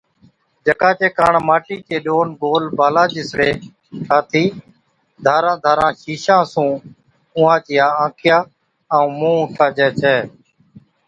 جڪا چي ڪاڻ ماٽِي چي ڏونَ گول بالا جِسڙي ٺاٿِي ڌاران ڌاران شِيشان سُون اُونھان چِيا آنکِيا ائُون مُنھن ٺاهجي ڇَي